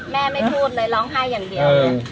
แม่ไม่พูดน่ะร้องไห้อย่างเดียว